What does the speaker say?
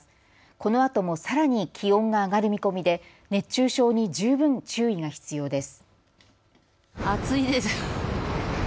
このあともさらに気温が上がる見込みで熱中症に十分注意が必要です。